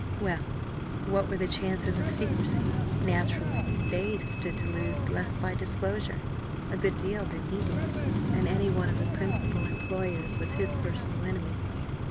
Well! what were the chances of secrecy? Naturally they stood to lose less by disclosure, a good deal, than he did. And Denny, one of the principal employers, was his personal enemy.